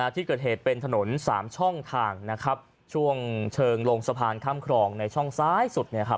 ที่เกิดเหตุเป็นถนน๓ช่องทางช่วงเชิงลงสะพานข้ามครองในช่องซ้ายสุด